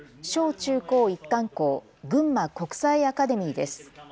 中高一貫校ぐんま国際アカデミーです。